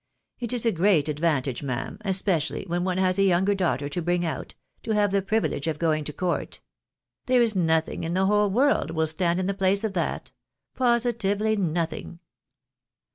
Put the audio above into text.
It is a great advantage, ma'am, especially where one has a young daughter to bring out, to have the privilege of going to court. There is nothing in the whole world will stand in the place of that — positively nothing."